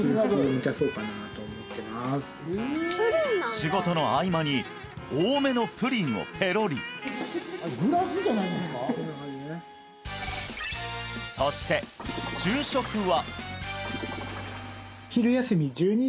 仕事の合間に多めのプリンをペロリそして昼食は？